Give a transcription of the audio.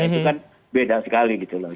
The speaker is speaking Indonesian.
itu kan beda sekali gitu loh